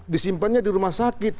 disimpannya di rumah sakit